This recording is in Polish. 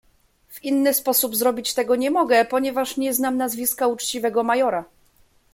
"W inny sposób zrobić tego nie mogę, ponieważ nie znam nazwiska uczciwego majora."